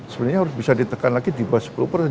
sebenarnya harus bisa ditekan lagi di bawah sepuluh persen